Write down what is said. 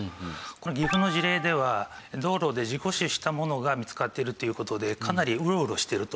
この岐阜の事例では道路で事故死したものが見つかっているという事でかなりうろうろしてると。